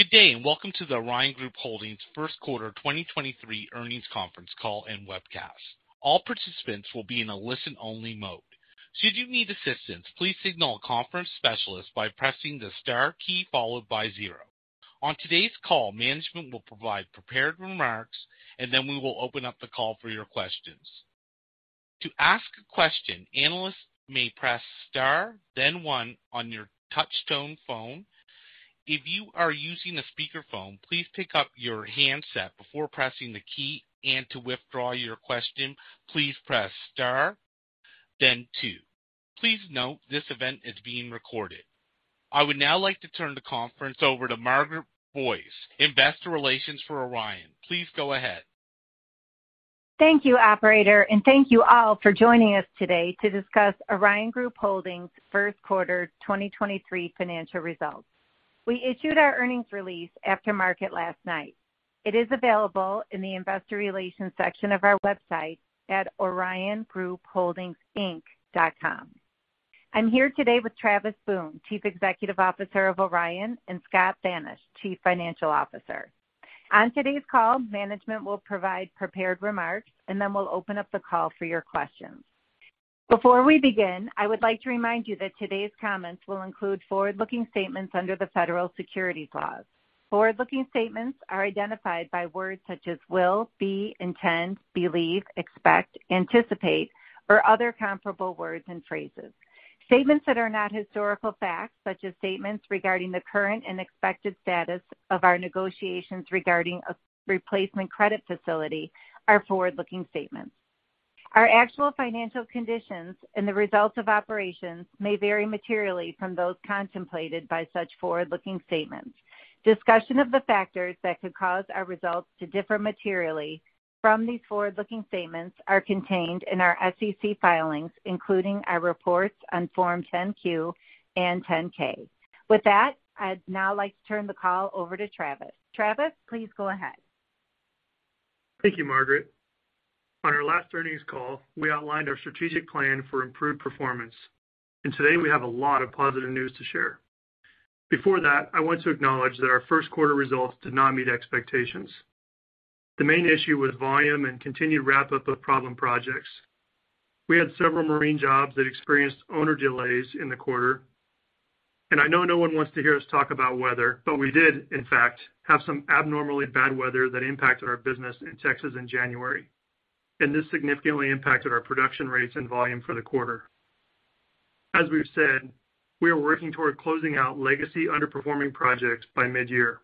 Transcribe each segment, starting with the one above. Good day. Welcome to the Orion Group Holdings first quarter 2023 earnings conference call and webcast. All participants will be in a listen-only mode. Should you need assistance, please signal a conference specialist by pressing the star key followed by zero. On today's call, management will provide prepared remarks, and then we will open up the call for your questions. To ask a question, analysts may press star, then one on your touchtone phone. If you are using a speakerphone, please pick up your handset before pressing the key. To withdraw your question, please press star then two. Please note, this event is being recorded. I would now like to turn the conference over to Margaret Boyce, investor relations for Orion. Please go ahead. Thank you, operator, and thank you all for joining us today to discuss Orion Group Holdings first quarter 2023 financial results. We issued our earnings release after market last night. It is available in the investor relations section of our website at oriongroupholdingsinc.com. I'm here today with Travis Boone, Chief Executive Officer of Orion, and Scott Thanisch, Chief Financial Officer. On today's call, management will provide prepared remarks, and then we'll open up the call for your questions. Before we begin, I would like to remind you that today's comments will include forward-looking statements under the Federal Securities laws. Forward-looking statements are identified by words such as will, be, intend, believe, expect, anticipate, or other comparable words and phrases. Statements that are not historical facts, such as statements regarding the current and expected status of our negotiations regarding a replacement credit facility are forward-looking statements. Our actual financial conditions and the results of operations may vary materially from those contemplated by such forward-looking statements. Discussion of the factors that could cause our results to differ materially from these forward-looking statements are contained in our SEC filings, including our reports on forms 10-Q and 10-K. With that, I'd now like to turn the call over to Travis. Travis, please go ahead. Thank you, Margaret. On our last earnings call, we outlined our strategic plan for improved performance, and today we have a lot of positive news to share. Before that, I want to acknowledge that our first quarter results did not meet expectations. The main issue was volume and continued wrap-up of problem projects. We had several marine jobs that experienced owner delays in the quarter. I know no one wants to hear us talk about weather, but we did in fact have some abnormally bad weather that impacted our business in Texas in January, and this significantly impacted our production rates and volume for the quarter. As we've said, we are working toward closing out legacy underperforming projects by mid-year.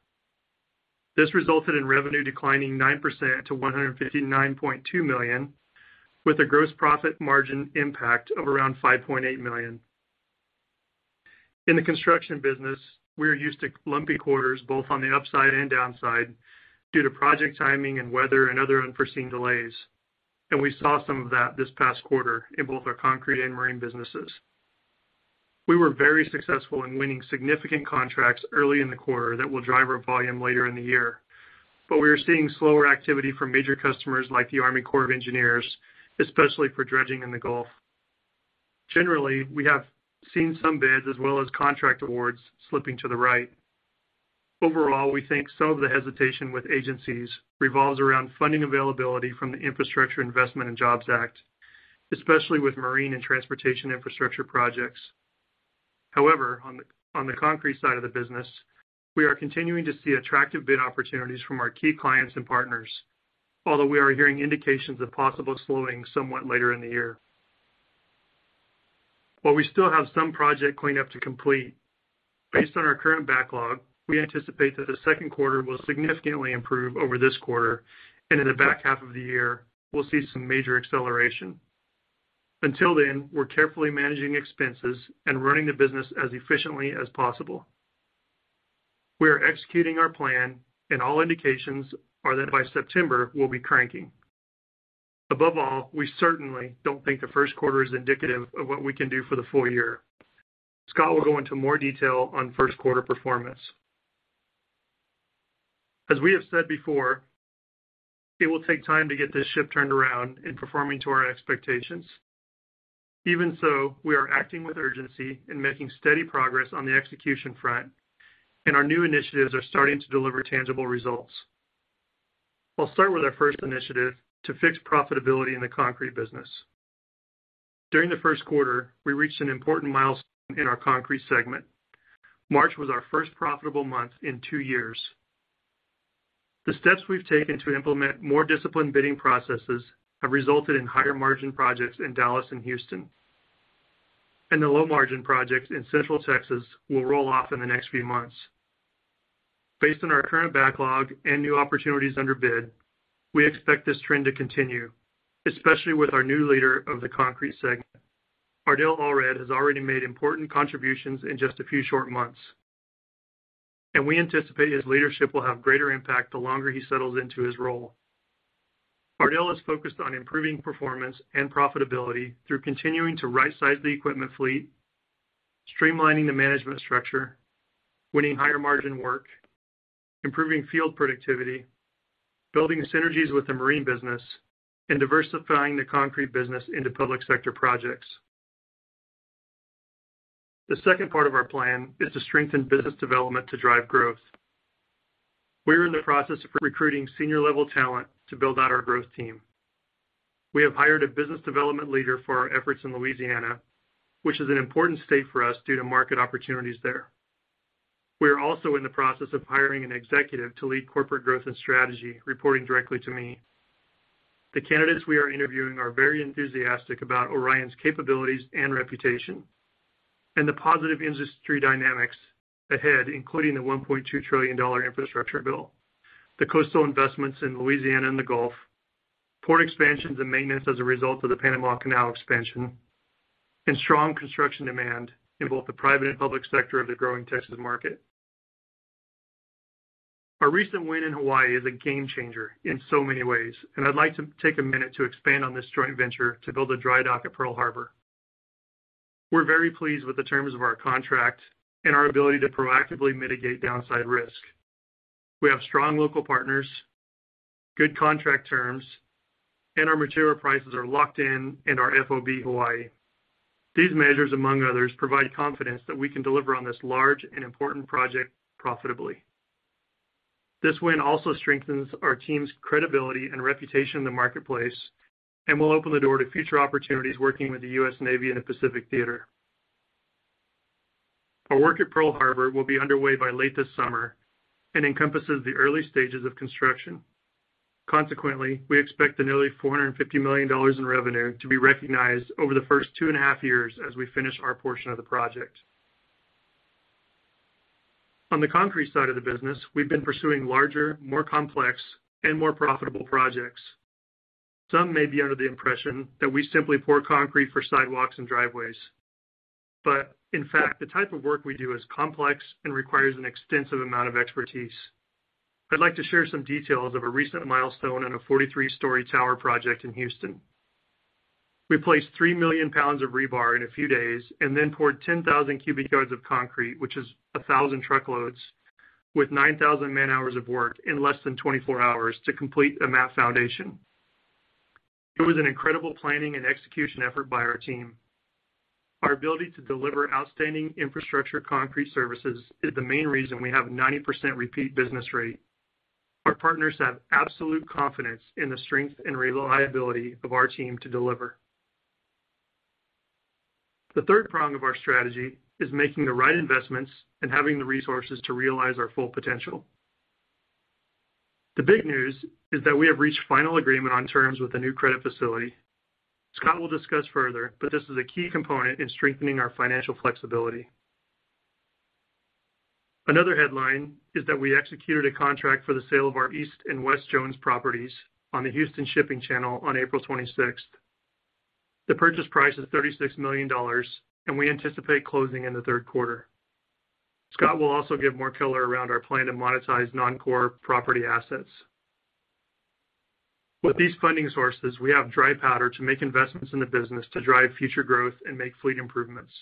This resulted in revenue declining 9% to $159.2 million, with a gross profit margin impact of around $5.8 million. In the construction business, we are used to lumpy quarters, both on the upside and downside due to project timing and weather and other unforeseen delays. We saw some of that this past quarter in both our concrete and marine businesses. We were very successful in winning significant contracts early in the quarter that will drive our volume later in the year. We are seeing slower activity from major customers like the Army Corps of Engineers, especially for dredging in the Gulf. Generally, we have seen some bids as well as contract awards slipping to the right. Overall, we think some of the hesitation with agencies revolves around funding availability from the Infrastructure Investment and Jobs Act, especially with marine and transportation infrastructure projects. However, on the concrete side of the business, we are continuing to see attractive bid opportunities from our key clients and partners. Although we are hearing indications of possible slowing somewhat later in the year. While we still have some project cleanup to complete, based on our current backlog, we anticipate that the second quarter will significantly improve over this quarter, and in the back half of the year, we'll see some major acceleration. Until then, we're carefully managing expenses and running the business as efficiently as possible. We are executing our plan and all indications are that by September we'll be cranking. Above all, we certainly don't think the first quarter is indicative of what we can do for the full year. Scott will go into more detail on first quarter performance. As we have said before, it will take time to get this ship turned around and performing to our expectations. Even so, we are acting with urgency and making steady progress on the execution front, and our new initiatives are starting to deliver tangible results. I'll start with our first initiative to fix profitability in the concrete business. During the first quarter, we reached an important milestone in our concrete segment. March was our first profitable month in 2 years. The steps we've taken to implement more disciplined bidding processes have resulted in higher margin projects in Dallas and Houston. The low margin projects in Central Texas will roll off in the next few months. Based on our current backlog and new opportunities under bid, we expect this trend to continue, especially with our new leader of the concrete segment. Ardell Allred has already made important contributions in just a few short months, and we anticipate his leadership will have greater impact the longer he settles into his role. Ardell is focused on improving performance and profitability through continuing to right-size the equipment fleet, streamlining the management structure, winning higher margin work, improving field productivity, building synergies with the marine business, and diversifying the concrete business into public sector projects. The second part of our plan is to strengthen business development to drive growth. We are in the process of recruiting senior-level talent to build out our growth team. We have hired a business development leader for our efforts in Louisiana, which is an important state for us due to market opportunities there. We are also in the process of hiring an executive to lead corporate growth and strategy, reporting directly to me. The candidates we are interviewing are very enthusiastic about Orion's capabilities and reputation and the positive industry dynamics ahead, including the $1.2 trillion infrastructure bill, the coastal investments in Louisiana and the Gulf, port expansions and maintenance as a result of the Panama Canal expansion, and strong construction demand in both the private and public sector of the growing Texas market. Our recent win in Hawaii is a game changer in so many ways. I'd like to take a minute to expand on this joint venture to build a dry dock at Pearl Harbor. We're very pleased with the terms of our contract and our ability to proactively mitigate downside risk. We have strong local partners, good contract terms, and our material prices are locked in and are FOB Hawaii. These measures, among others, provide confidence that we can deliver on this large and important project profitably. This win also strengthens our team's credibility and reputation in the marketplace and will open the door to future opportunities working with the U.S. Navy in the Pacific Theater. Our work at Pearl Harbor will be underway by late this summer and encompasses the early stages of construction. We expect the nearly $450 million in revenue to be recognized over the first 2 and a half years as we finish our portion of the project. On the concrete side of the business, we've been pursuing larger, more complex, and more profitable projects. Some may be under the impression that we simply pour concrete for sidewalks and driveways. In fact, the type of work we do is complex and requires an extensive amount of expertise. I'd like to share some details of a recent milestone on a 43-story tower project in Houston. We placed 3 million pounds of rebar in a few days and then poured 10,000 cubic yards of concrete, which is 1,000 truckloads, with 9,000 man-hours of work in less than 24 hours to complete a mat foundation. It was an incredible planning and execution effort by our team. Our ability to deliver outstanding infrastructure concrete services is the main reason we have 90% repeat business rate. Our partners have absolute confidence in the strength and reliability of our team to deliver. The third prong of our strategy is making the right investments and having the resources to realize our full potential. The big news is that we have reached final agreement on terms with a new credit facility. Scott will discuss further, this is a key component in strengthening our financial flexibility. Another headline is that we executed a contract for the sale of our East and West Jones properties on the Houston Shipping Channel on April 26th. The purchase price is $36 million, we anticipate closing in the third quarter. Scott will also give more color around our plan to monetize non-core property assets. With these funding sources, we have dry powder to make investments in the business to drive future growth and make fleet improvements.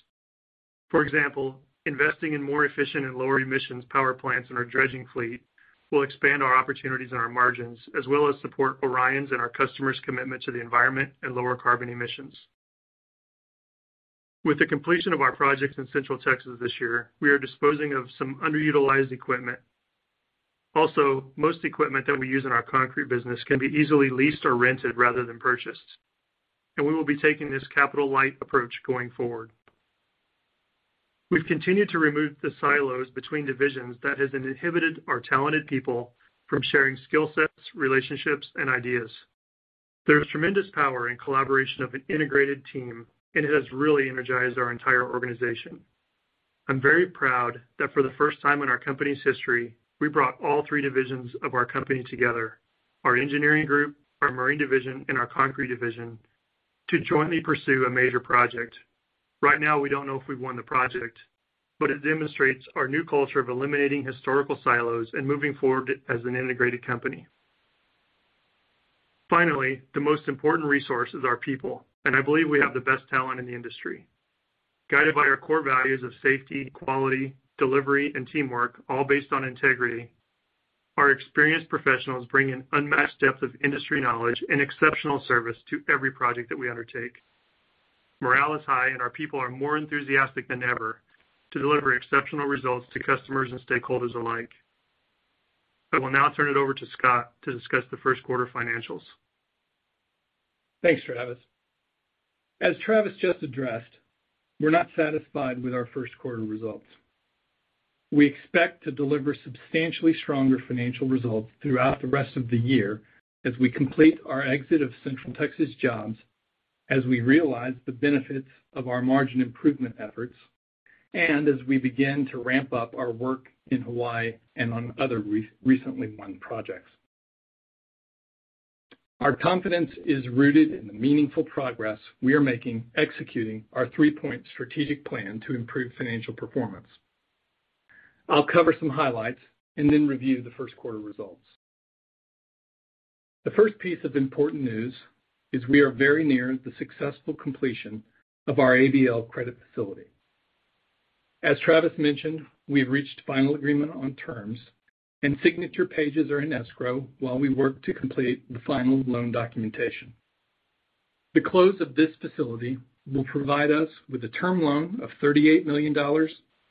For example, investing in more efficient and lower emissions power plants in our dredging fleet will expand our opportunities and our margins, as well as support Orion's and our customers' commitment to the environment and lower carbon emissions. With the completion of our projects in Central Texas this year, we are disposing of some underutilized equipment. Also, most equipment that we use in our concrete business can be easily leased or rented rather than purchased, and we will be taking this capital-light approach going forward. We've continued to remove the silos between divisions that has inhibited our talented people from sharing skill sets, relationships, and ideas. There is tremendous power in collaboration of an integrated team, and it has really energized our entire organization. I'm very proud that for the first time in our company's history, we brought all three divisions of our company together, our engineering group, our marine division, and our concrete division, to jointly pursue a major project. Right now, we don't know if we've won the project, but it demonstrates our new culture of eliminating historical silos and moving forward as an integrated company. Finally, the most important resource is our people, and I believe we have the best talent in the industry. Guided by our core values of safety, quality, delivery, and teamwork, all based on integrity, our experienced professionals bring an unmatched depth of industry knowledge and exceptional service to every project that we undertake. Morale is high, and our people are more enthusiastic than ever to deliver exceptional results to customers and stakeholders alike. I will now turn it over to Scott to discuss the first quarter financials. Thanks, Travis. As Travis just addressed, we're not satisfied with our first quarter results. We expect to deliver substantially stronger financial results throughout the rest of the year as we complete our exit of Central Texas jobs, as we realize the benefits of our margin improvement efforts, and as we begin to ramp up our work in Hawaii and on other recently won projects. Our confidence is rooted in the meaningful progress we are making executing our three-point strategic plan to improve financial performance. I'll cover some highlights and then review the first quarter results. The first piece of important news is we are very near the successful completion of our ABL credit facility. As Travis mentioned, we've reached final agreement on terms and signature pages are in escrow while we work to complete the final loan documentation. The close of this facility will provide us with a term loan of $38 million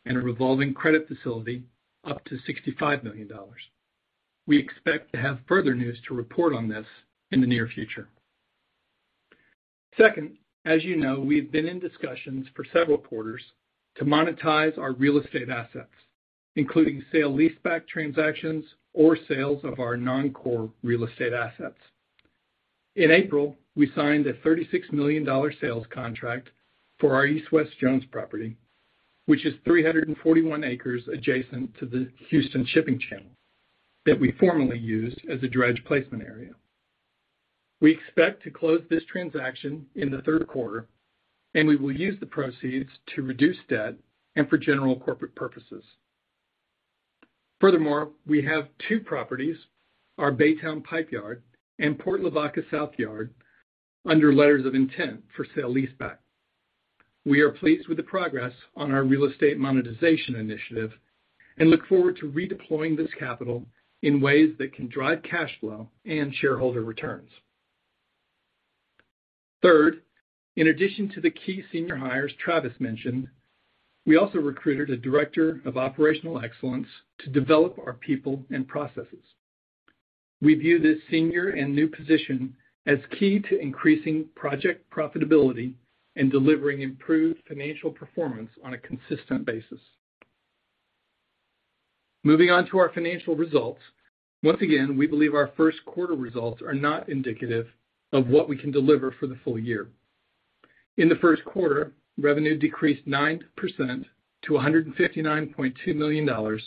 and a revolving credit facility up to $65 million. We expect to have further news to report on this in the near future. Second, as you know, we've been in discussions for several quarters to monetize our real estate assets, including sale-leaseback transactions or sales of our non-core real estate assets. In April, we signed a $36 million sales contract for our East West Jones property, which is 341 acres adjacent to the Houston Shipping Channel that we formerly used as a dredge placement area. We expect to close this transaction in the third quarter, and we will use the proceeds to reduce debt and for general corporate purposes. Furthermore, we have two properties, our Baytown Pipe Yard and Port Lavaca South Yard, under letters of intent for sale-leaseback. We are pleased with the progress on our real estate monetization initiative and look forward to redeploying this capital in ways that can drive cash flow and shareholder returns. Third, in addition to the key senior hires Travis mentioned, we also recruited a director of operational excellence to develop our people and processes. We view this senior and new position as key to increasing project profitability and delivering improved financial performance on a consistent basis. Moving on to our financial results. Once again, we believe our first quarter results are not indicative of what we can deliver for the full year. In the first quarter, revenue decreased 9% to $159.2 million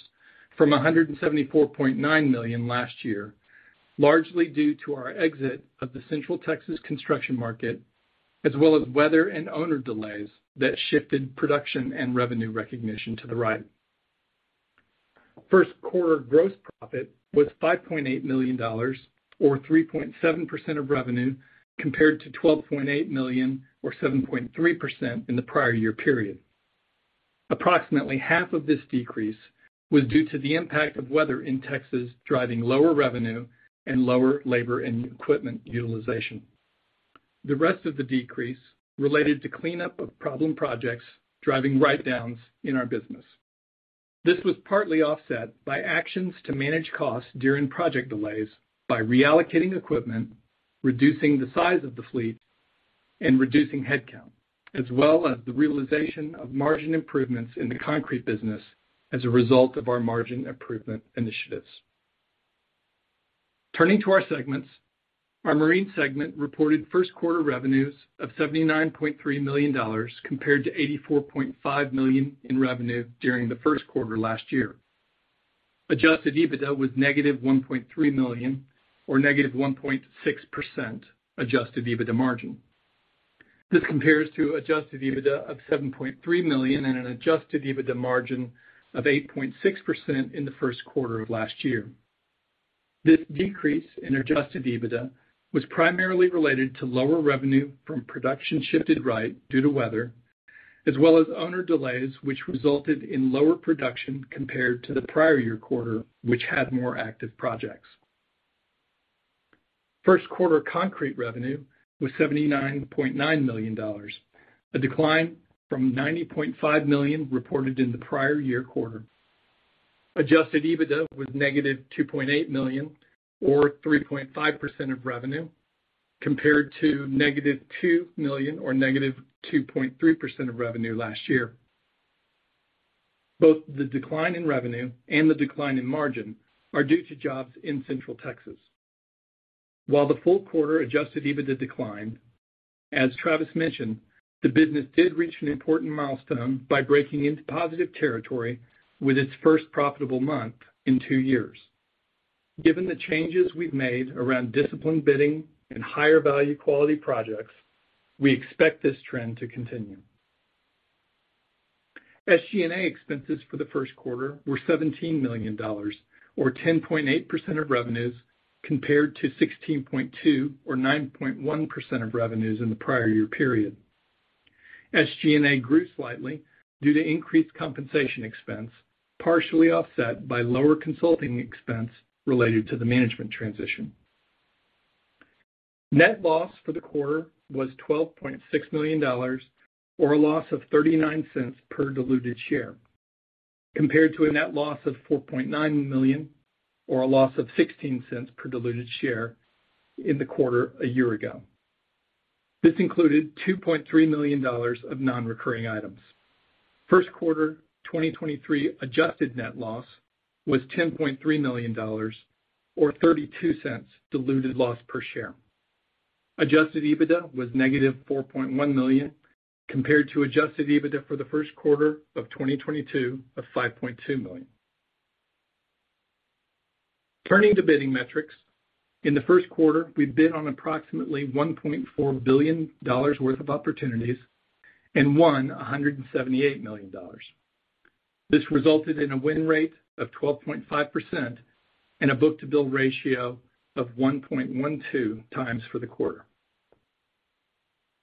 from $174.9 million last year, largely due to our exit of the Central Texas construction market, as well as weather and owner delays that shifted production and revenue recognition to the right. First quarter gross profit was $5.8 million or 3.7% of revenue, compared to $12.8 million or 7.3% in the prior year period. Approximately half of this decrease was due to the impact of weather in Texas, driving lower revenue and lower labor and equipment utilization. The rest of the decrease related to cleanup of problem projects, driving write-downs in our business. This was partly offset by actions to manage costs during project delays by reallocating equipment, reducing the size of the fleet, and reducing headcount, as well as the realization of margin improvements in the concrete business as a result of our margin improvement initiatives. Turning to our segments. Our marine segment reported first quarter revenues of $79.3 million compared to $84.5 million in revenue during the first quarter last year. Adjusted EBITDA was negative $1.3 million or negative 1.6% adjusted EBITDA margin. This compares to adjusted EBITDA of $7.3 million and an adjusted EBITDA margin of 8.6% in the first quarter of last year. This decrease in adjusted EBITDA was primarily related to lower revenue from production shifted right due to weather, as well as owner delays, which resulted in lower production compared to the prior-year quarter, which had more active projects. First quarter concrete revenue was $79.9 million, a decline from $90.5 million reported in the prior-year quarter. Adjusted EBITDA was negative $2.8 million or 3.5% of revenue, compared to negative $2 million or negative 2.3% of revenue last year. Both the decline in revenue and the decline in margin are due to jobs in Central Texas. While the full quarter adjusted EBITDA declined, as Travis mentioned, the business did reach an important milestone by breaking into positive territory with its first profitable month in two years. Given the changes we've made around disciplined bidding and higher value quality projects, we expect this trend to continue. SG&A expenses for the first quarter were $17 million or 10.8% of revenues, compared to $16.2 or 9.1% of revenues in the prior year period. SG&A grew slightly due to increased compensation expense, partially offset by lower consulting expense related to the management transition. Net loss for the quarter was $12.6 million or a loss of $0.39 per diluted share, compared to a net loss of $4.9 million or a loss of $0.16 per diluted share in the quarter a year ago. This included $2.3 million of non-recurring items. First quarter 2023 adjusted net loss was $10.3 million or $0.32 diluted loss per share. Adjusted EBITDA was negative $4.1 million compared to adjusted EBITDA for the first quarter of 2022 of $5.2 million. Turning to bidding metrics. In the first quarter, we bid on approximately $1.4 billion worth of opportunities and won $178 million. This resulted in a win rate of 12.5% and a book-to-bill ratio of 1.12 times for the quarter.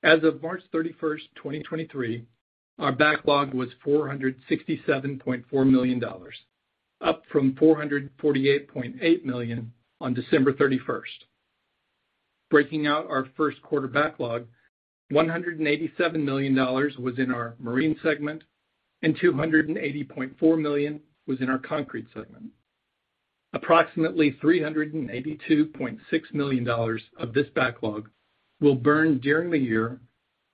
As of March 31, 2023, our backlog was $467.4 million, up from $448.8 million on December 31. Breaking out our first quarter backlog, $187 million was in our marine segment and $280.4 million was in our Concrete segment. Approximately $382.6 million of this backlog will burn during the year,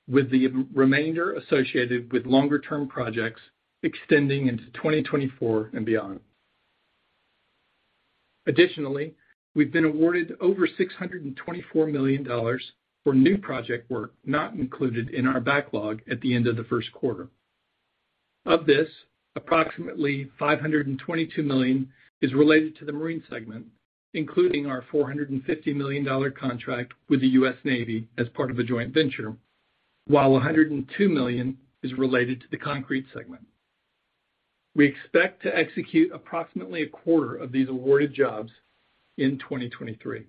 with the remainder associated with longer-term projects extending into 2024 and beyond. We've been awarded over $624 million for new project work not included in our backlog at the end of the first quarter. Of this, approximately $522 million is related to the marine segment, including our $450 million contract with the U.S. Navy as part of a joint venture, while $102 million is related to the concrete segment. We expect to execute approximately a quarter of these awarded jobs in 2023.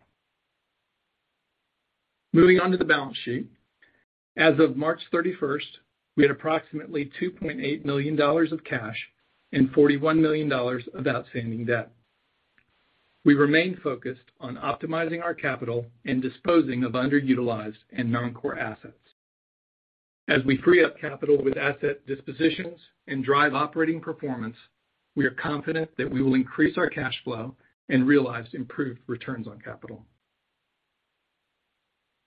Moving on to the balance sheet. As of March 31st, we had approximately $2.8 million of cash and $41 million of outstanding debt. We remain focused on optimizing our capital and disposing of underutilized and non-core assets. As we free up capital with asset dispositions and drive operating performance, we are confident that we will increase our cash flow and realize improved returns on capital.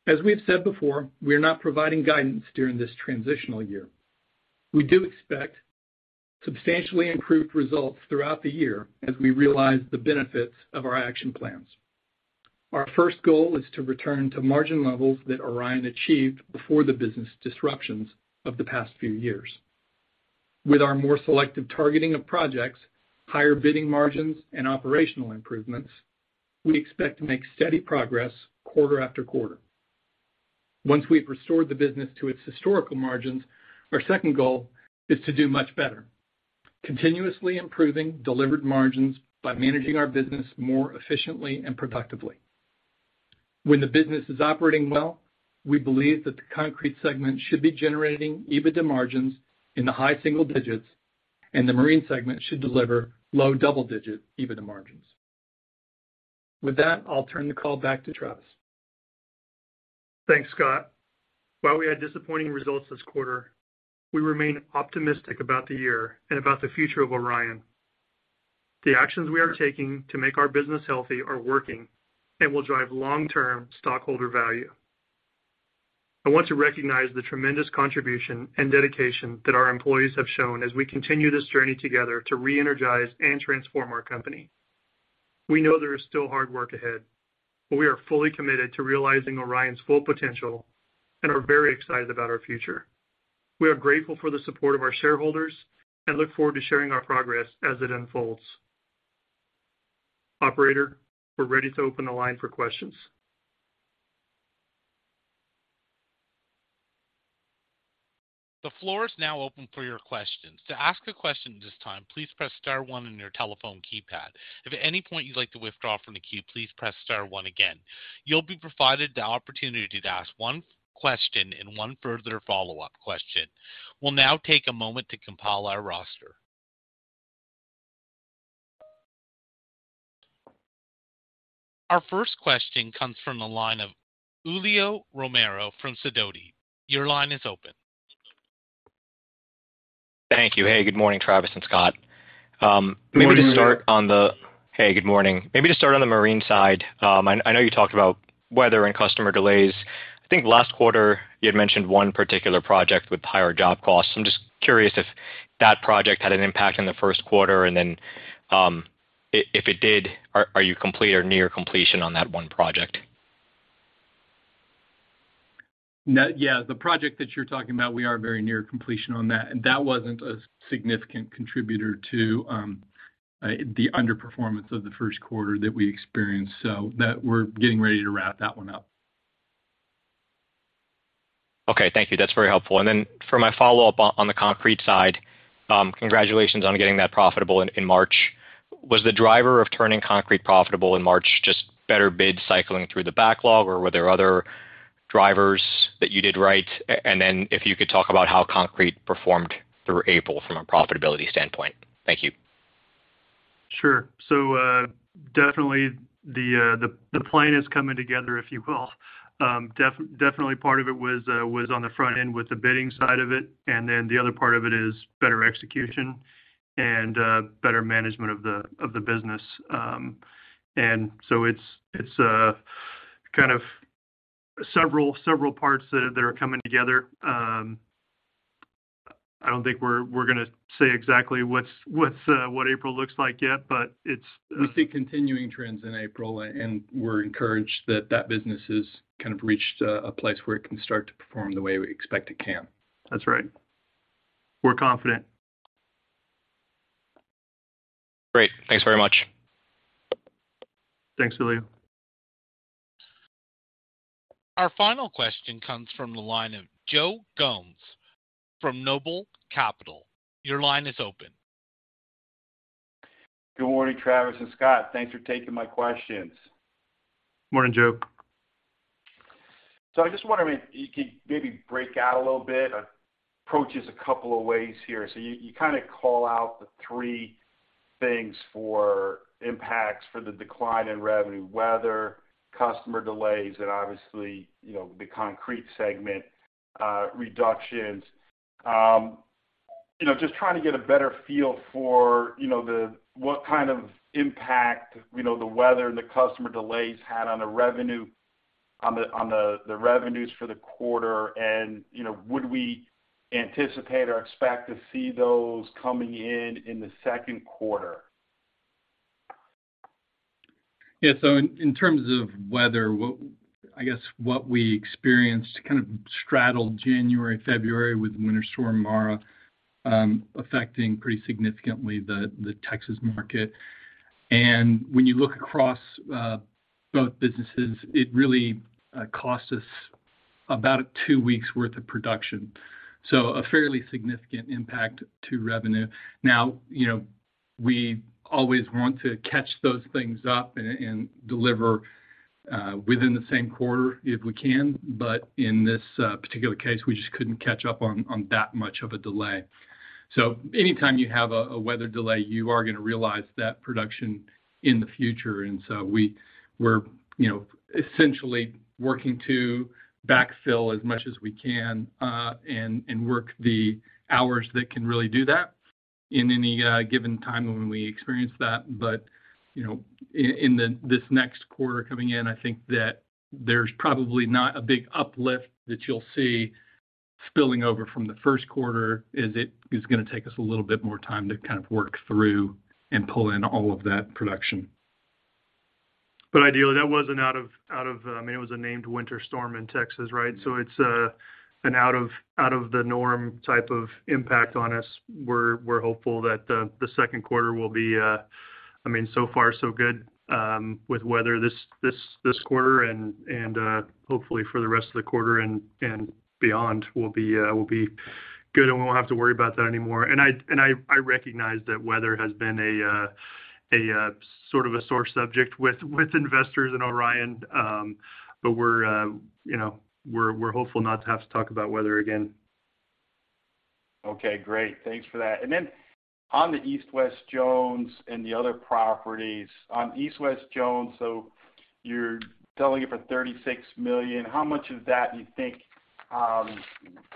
As we have said before, we are not providing guidance during this transitional year. We do expect substantially improved results throughout the year as we realize the benefits of our action plans. Our first goal is to return to margin levels that Orion achieved before the business disruptions of the past few years. With our more selective targeting of projects, higher bidding margins and operational improvements, we expect to make steady progress quarter after quarter. Once we've restored the business to its historical margins, our second goal is to do much better, continuously improving delivered margins by managing our business more efficiently and productively. When the business is operating well, we believe that the concrete segment should be generating EBITDA margins in the high single digits, and the marine segment should deliver low double-digit EBITDA margins. With that, I'll turn the call back to Travis. Thanks, Scott. While we had disappointing results this quarter, we remain optimistic about the year and about the future of Orion. The actions we are taking to make our business healthy are working and will drive long-term stockholder value. I want to recognize the tremendous contribution and dedication that our employees have shown as we continue this journey together to re-energize and transform our company. We know there is still hard work ahead, but we are fully committed to realizing Orion's full potential and are very excited about our future. We are grateful for the support of our shareholders and look forward to sharing our progress as it unfolds. Operator, we're ready to open the line for questions. The floor is now open for your questions. To ask a question at this time, please press star one on your telephone keypad. If at any point you'd like to withdraw from the queue, please press star one again. You'll be provided the opportunity to ask one question and one further follow-up question. We'll now take a moment to compile our roster. Our first question comes from the line of Julio Romero from Sidoti. Your line is open. Thank you. Hey, good morning, Travis and Scott. maybe to start on. Good morning, Julio. Hey, good morning. Maybe to start on the marine side. I know you talked about weather and customer delays. I think last quarter you had mentioned one particular project with higher job costs. I'm just curious if that project had an impact in the first quarter and then if it did, are you complete or near completion on that one project? No, yeah, the project that you're talking about, we are very near completion on that. That wasn't a significant contributor to the underperformance of the first quarter that we experienced, so. That we're getting ready to wrap that one up. Okay. Thank you. That's very helpful. For my follow-up on the Concrete side, congratulations on getting that profitable in March. Was the driver of turning Concrete profitable in March just better bid cycling through the backlog or were there other drivers that you did right? If you could talk about how Concrete performed through April from a profitability standpoint. Thank you. Sure. Definitely the plan is coming together, if you will. Definitely part of it was on the front end with the bidding side of it, and then the other part of it is better execution and better management of the business. It's kind of several parts that are coming together. I don't think we're gonna say exactly what's what April looks like yet, but it's. We see continuing trends in April, and we're encouraged that business has kind of reached a place where it can start to perform the way we expect it can. That's right. We're confident. Great. Thanks very much. Thanks, Julio. Our final question comes from the line of Joe Gomes from Noble Capital. Your line is open. Good morning, Travis and Scott. Thanks for taking my questions. Morning, Joe. I just wondering if you could maybe break out a little bit, approach this a couple of ways here. You kind of call out the three things for impacts for the decline in revenue, weather, customer delays and obviously, you know, the concrete segment reductions. You know, just trying to get a better feel for, you know, what kind of impact, you know, the weather and the customer delays had on the revenues for the quarter, and, you know, would we anticipate or expect to see those coming in in the second quarter? Yeah. In terms of weather, I guess what we experienced kind of straddled January, February with Winter Storm Mara, affecting pretty significantly the Texas market. When you look across both businesses, it really cost us about two weeks worth of production, so a fairly significant impact to revenue. Now, you know, we always want to catch those things up and deliver within the same quarter if we can, in this particular case, we just couldn't catch up on that much of a delay. Anytime you have a weather delay, you are gonna realize that production in the future. We were, you know, essentially working to backfill as much as we can and work the hours that can really do that in any given time when we experience that. You know, this next quarter coming in, I think that there's probably not a big uplift that you'll see spilling over from the first quarter, as it is gonna take us a little bit more time to kind of work through and pull in all of that production. Ideally, that wasn't out of. I mean, it was a named winter storm in Texas, right? It's an out of the norm type of impact on us. We're hopeful that the second quarter will be. I mean, so far so good with weather this quarter and hopefully for the rest of the quarter and beyond will be good, and we won't have to worry about that anymore. I recognize that weather has been a sort of a sore subject with investors and Orion, you know, we're hopeful not to have to talk about weather again. Okay, great. Thanks for that. On the East West Jones and the other properties. On East West Jones, you're selling it for $36 million. How much of that you think,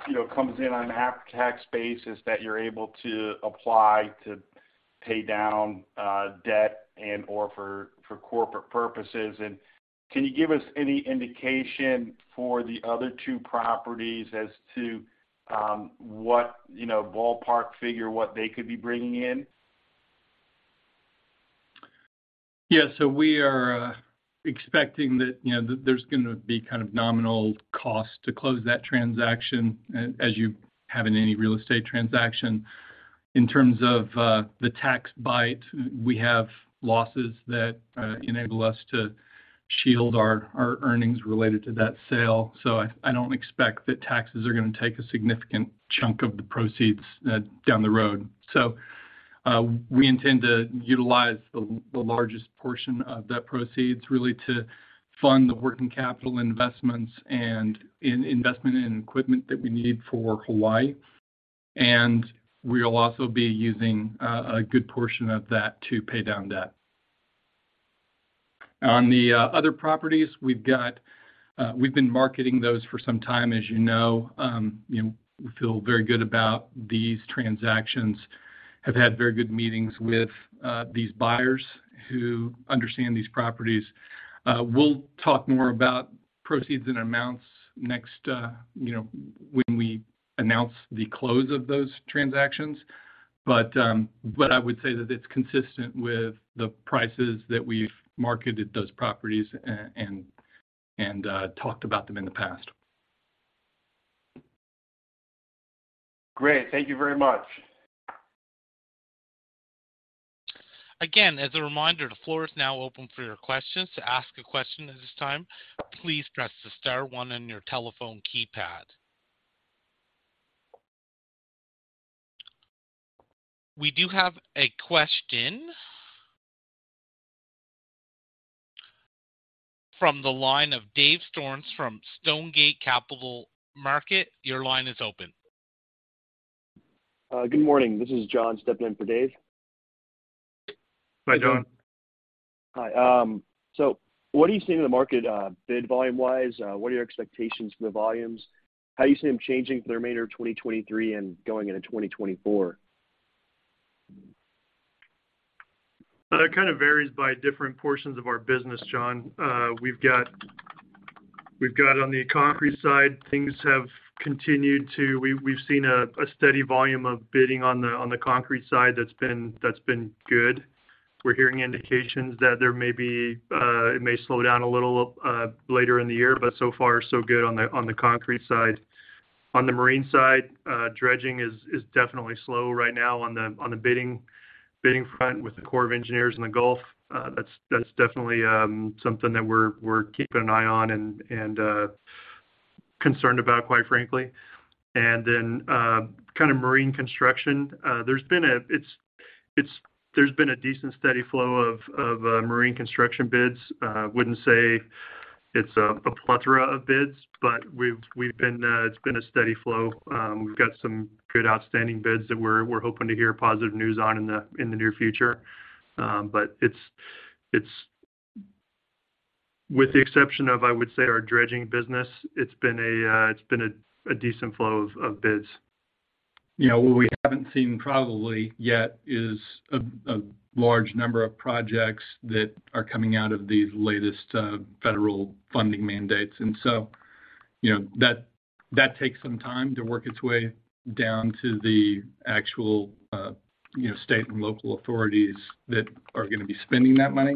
you know, comes in on an after-tax basis that you're able to apply to pay down debt and/or for corporate purposes? Can you give us any indication for the other two properties as to what, you know, ballpark figure, what they could be bringing in? We are expecting that, you know, there's gonna be kind of nominal cost to close that transaction as you have in any real estate transaction. In terms of the tax bite, we have losses that enable us to shield our earnings related to that sale. I don't expect that taxes are gonna take a significant chunk of the proceeds down the road. We intend to utilize the largest portion of that proceeds really to fund the working capital investments and in-investment in equipment that we need for Hawaii. We'll also be using a good portion of that to pay down debt. On the other properties, we've been marketing those for some time, as you know. you know, we feel very good about these transactions, have had very good meetings with these buyers who understand these properties. We'll talk more about proceeds and amounts next, you know, when we announce the close of those transactions. I would say that it's consistent with the prices that we've marketed those properties and talked about them in the past. Great. Thank you very much. Again, as a reminder, the floor is now open for your questions. To ask a question at this time, please press the star one on your telephone keypad. We do have a question from the line of Dave Storms from Stonegate Capital Markets. Your line is open. Good morning. This is John stepping in for Dave. Hi, John. Hi. What are you seeing in the market, bid volume-wise? What are your expectations for the volumes? How are you seeing them changing for the remainder of 2023 and going into 2024? It kind of varies by different portions of our business, John. We've got on the concrete side, we've seen a steady volume of bidding on the concrete side that's been good. We're hearing indications that it may slow down a little later in the year, so far so good on the concrete side. On the marine side, dredging is definitely slow right now on the bidding front with the Corps of Engineers in the Gulf. That's definitely something that we're keeping an eye on and concerned about, quite frankly. Kind of marine construction. There's been a decent steady flow of marine construction bids. Wouldn't say it's a plethora of bids, but we've been, it's been a steady flow. We've got some good outstanding bids that we're hoping to hear positive news on in the, in the near future. It's, it's with the exception of, I would say, our dredging business, it's been a, it's been a decent flow of bids. You know, what we haven't seen probably yet is a large number of projects that are coming out of the latest, federal funding mandates. You know, that takes some time to work its way down to the actual, you know, state and local authorities that are gonna be spending that money.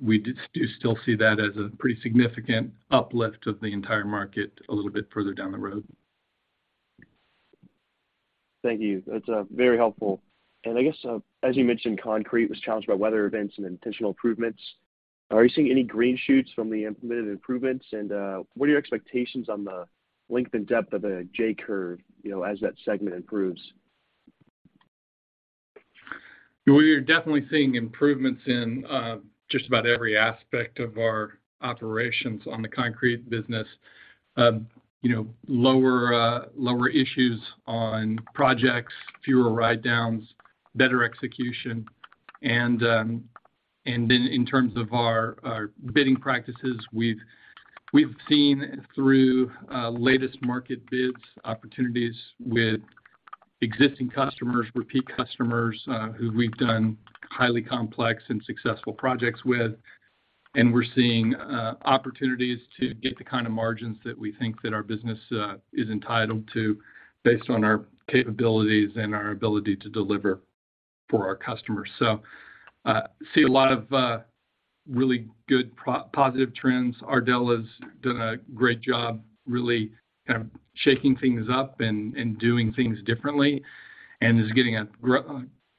We do still see that as a pretty significant uplift of the entire market a little bit further down the road. Thank you. That's very helpful. I guess, as you mentioned, concrete was challenged by weather events and intentional improvements. Are you seeing any green shoots from the implemented improvements? What are your expectations on the length and depth of a J curve, you know, as that segment improves? We are definitely seeing improvements in just about every aspect of our operations on the concrete business. You know, lower issues on projects, fewer write downs, better execution. Then in terms of our bidding practices, we've seen through latest market bids, opportunities with existing customers, repeat customers, who we've done highly complex and successful projects with. We're seeing opportunities to get the kind of margins that we think that our business is entitled to based on our capabilities and our ability to deliver for our customers. See a lot of really good positive trends. Ardell has done a great job really kind of shaking things up and doing things differently and is getting a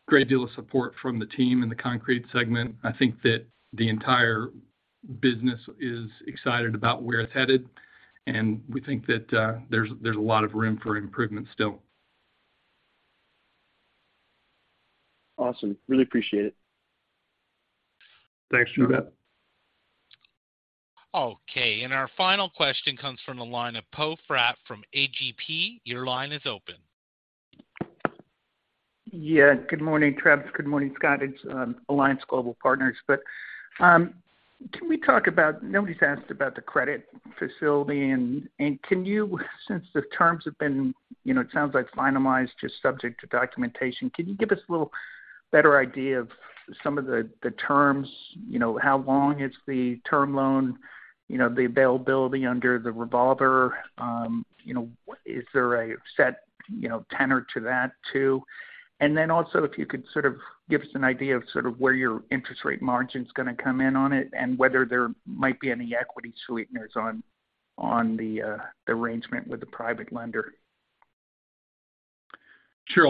great deal of support from the team in the concrete segment. I think that the entire business is excited about where it's headed, and we think that, there's a lot of room for improvement still. Awesome. Really appreciate it. Thanks, Noah. You bet. Okay. Our final question comes from the line of Poe Fratt from AGP. Your line is open. Yeah. Good morning, Travis. Good morning, Scott. It's Alliance Global Partners. Can we talk about... Nobody's asked about the credit facility. Can you, since the terms have been, you know, it sounds like finalized, just subject to documentation, give us a little better idea of some of the terms? You know, how long is the term loan, you know, the availability under the revolver? You know, is there a set, you know, tenor to that too? Also, if you could sort of give us an idea of sort of where your interest rate margin is gonna come in on it and whether there might be any equity sweeteners on the arrangement with the private lender. Sure.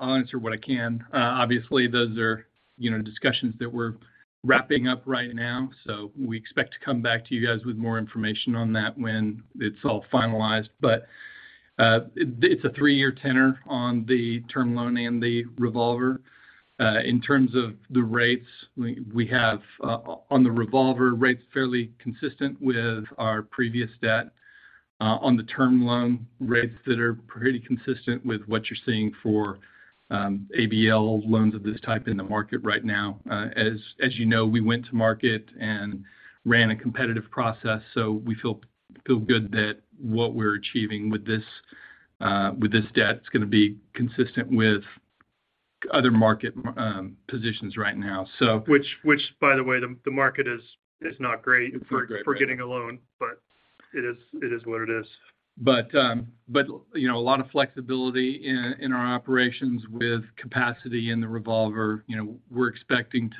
I'll answer what I can. Obviously, those are, you know, discussions that we're wrapping up right now. We expect to come back to you guys with more information on that when it's all finalized. It's a 3-year tenor on the term loan and the revolver. In terms of the rates we have on the revolver rates fairly consistent with our previous debt. On the term loan rates that are pretty consistent with what you're seeing for ABL loans of this type in the market right now. As you know, we went to market and ran a competitive process. We feel good that what we're achieving with this debt is gonna be consistent with other market positions right now. Which, by the way, the market is not great. It's not great right now. for getting a loan, but it is, it is what it is. You know, a lot of flexibility in our operations with capacity in the revolver. You know, we're expecting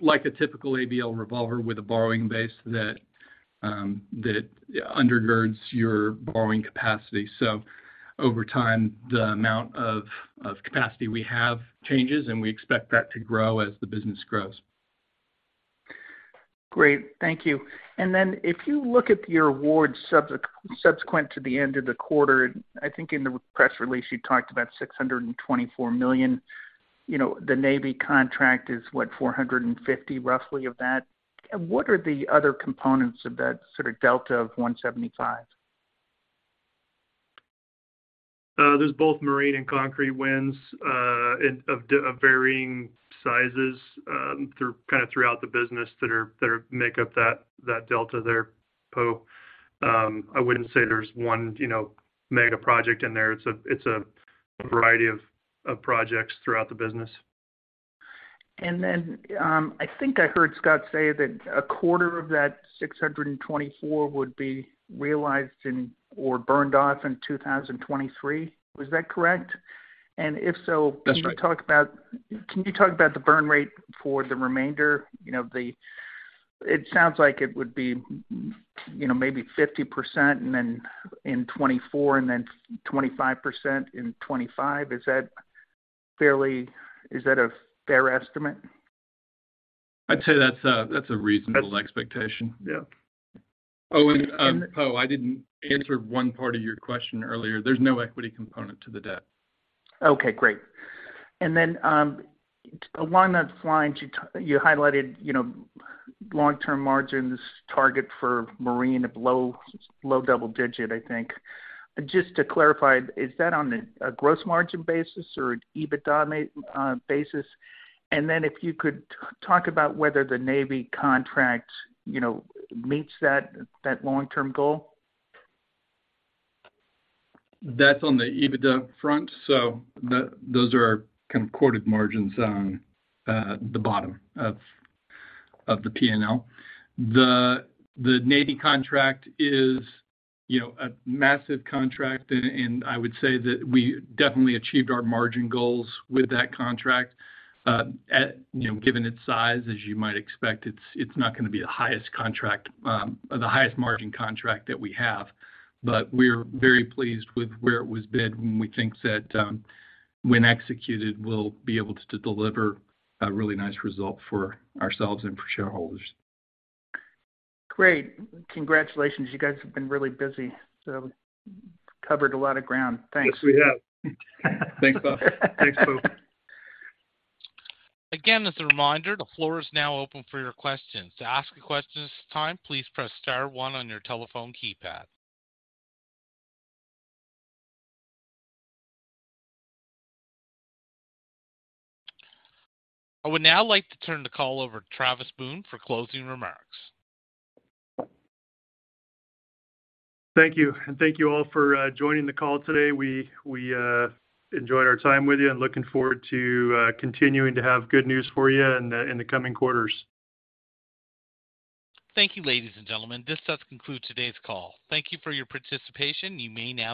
like a typical ABL revolver with a borrowing base that undergirds your borrowing capacity. Over time, the amount of capacity we have changes, and we expect that to grow as the business grows. Great. Thank you. If you look at your awards subsequent to the end of the quarter, I think in the press release you talked about $624 million. You know, the Navy contract is, what, $450 roughly of that. What are the other components of that sort of delta of $175? There's both marine and concrete wins, and of varying sizes, kind of throughout the business that are make up that delta there, Po. I wouldn't say there's one, you know, mega project in there. It's a variety of projects throughout the business. I think I heard Scott say that a quarter of that 624 would be realized in or burned off in 2023. Was that correct? If so. That's right. Can you talk about the burn rate for the remainder? You know, it sounds like it would be, you know, maybe 50% and then in 2024 and then 25% in 2025. Is that a fair estimate? I'd say that's a reasonable expectation. Yeah. Po, I didn't answer one part of your question earlier. There's no equity component to the debt. Okay, great. Along that line, you highlighted, you know, long-term margins target for Marine of low, low double digit, I think. Just to clarify, is that on a gross margin basis or an EBITDA basis? If you could talk about whether the Navy contract, you know, meets that long-term goal. That's on the EBITDA front, so those are kind of quoted margins on the bottom of the P&L. The Navy contract is, you know, a massive contract and I would say that we definitely achieved our margin goals with that contract. At, you know, given its size as you might expect, it's not gonna be the highest contract, or the highest margin contract that we have. We're very pleased with where it was bid, and we think that, when executed, we'll be able to deliver a really nice result for ourselves and for shareholders. Great. Congratulations. You guys have been really busy, so covered a lot of ground. Thanks. Yes, we have. Thanks, Po. As a reminder, the floor is now open for your questions. To ask a question at this time, please press star one on your telephone keypad. I would now like to turn the call over to Travis Boone for closing remarks. Thank you. Thank you all for joining the call today. We enjoyed our time with you, and looking forward to continuing to have good news for you in the coming quarters. Thank you, ladies and gentlemen. This does conclude today's call. Thank you for your participation. You may now disconnect.